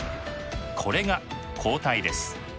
これが抗体です。